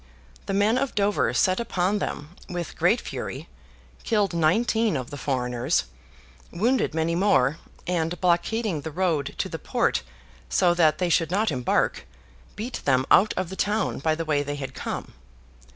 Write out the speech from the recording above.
The men of Dover set upon them with great fury, killed nineteen of the foreigners, wounded many more, and, blockading the road to the port so that they should not embark, beat them out of the town by the way they had come.